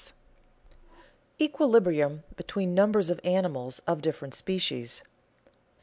[Sidenote: Equilibrium between numbers of animals of different species] 3.